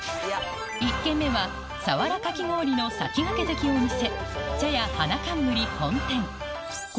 １軒目は佐原かき氷の先駆け的お店